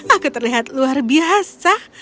aku terlihat luar biasa